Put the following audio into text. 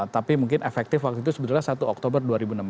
tapi mungkin efektif waktu itu sebetulnya satu oktober dua ribu enam belas